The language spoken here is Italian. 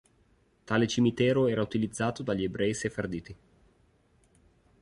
Tale cimitero era utilizzato dagli ebrei sefarditi.